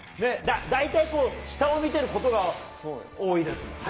大体下を見てることが多いですもんね。